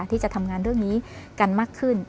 ที่จะทำงานเรื่องนี้กันมากขึ้น